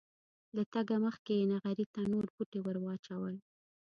له تګه مخکې یې نغري ته نور بوټي ور واچول.